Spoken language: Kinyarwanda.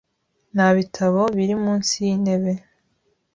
Nta bitabo biri munsi yintebe.